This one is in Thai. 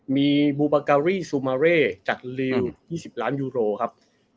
มีบูบาการีซูมาเร่จากลิว๒๐ล้านยูโรครับ